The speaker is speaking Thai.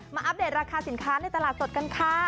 อัปเดตราคาสินค้าในตลาดสดกันค่ะ